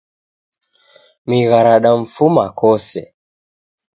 Migha radamfuma kose